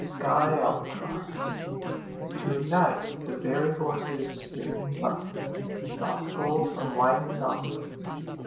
WINTER EVENING To night the very horses springing by Toss gold from whitened nostrils.